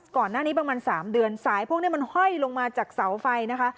ก่อนหน้านี้ประมาณ๓เดือนสายพวกนี้มันห้อยลงมาจากเสาไฟนะคะ